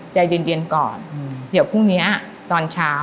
ใจเย็นก่อนเดี๋ยวพรุ่งนี้ตอนเช้า